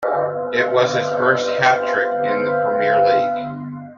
It was his first hat-trick in the Premier League.